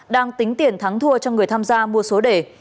đang tính tiền thắng thua cho người tham gia mua số đề